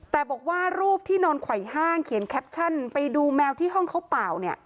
แต่บอกว่ารูปที่นอนไขว่ห้างเขียนแคปชั่นไปดูแมวที่ห้องเข้าเปล่าเนี่ย